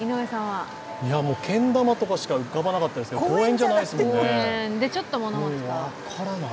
けん玉とかしか浮かばなかったけど公園じゃないですもんね。